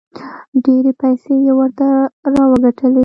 ډېرې پیسې یې ورته راوګټلې.